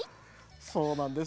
そうなんです。